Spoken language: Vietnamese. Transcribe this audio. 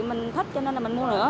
mình thích cho nên là mình mua nữa